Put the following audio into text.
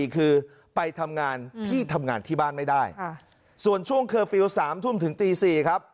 คือไปทำงานที่ทำงานที่บ้านไม่ได้ส่วนช่วงเคอร์ฟิลล์๓ทุ่มถึงตี๔ครับ